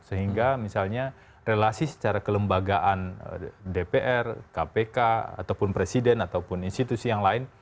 sehingga misalnya relasi secara kelembagaan dpr kpk ataupun presiden ataupun institusi yang lain